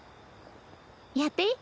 やっていい？